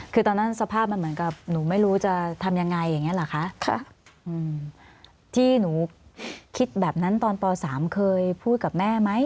คือตอนนั้นสภาพมันเหมือนกับหนูไม่รู้จะทำยังไงอย่างนี้หรอคะที่หนูคิดแบบนั้นตอนป๓เคยพูดกับแม่ไหม